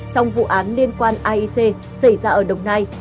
trong vụ án liên quan aic xảy ra ở đồng nai